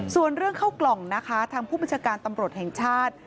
ส่วนเรื่องเข้ากล่องนะคะทางผู้บัญชาการตำรวจแห่งชาติ